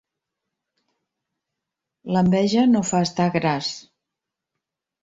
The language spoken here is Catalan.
L'enveja no fa estar gras.